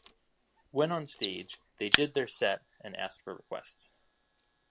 When on stage, they did their set and asked for requests.